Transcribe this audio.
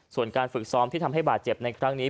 ส่วนการฝึกซ้อมที่ทำให้บาดเจ็บในครั้งนี้